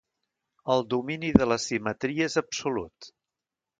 El domini de la simetria és absolut.